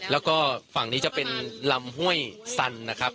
แล้วก็ฝั่งนี้จะเป็นลำห้วยสันนะครับ